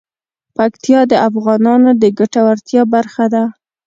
پکتیا د افغانانو د ګټورتیا برخه ده.